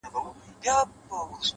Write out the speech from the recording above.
• چي ګوربت د غره له څوکي په هوا سو ,